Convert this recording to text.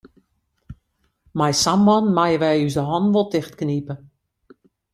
Mei sa'n man meie wy ús de hannen wol tichtknipe.